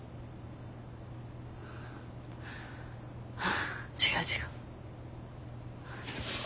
あ違う違う。